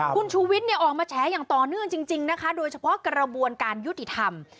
คุณชูวิทย์เนี่ยออกมาแฉอย่างต่อเนื่องจริงนะคะโดยเฉพาะกระบวนการยุติธรรม